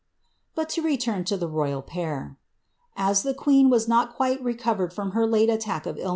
] But to return to the royal pair. As the queen was not quite recovered from her late attack of ilhM * Hist.